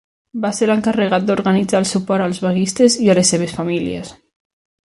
Va ser l'encarregat d'organitzar el suport als vaguistes i a les seves famílies.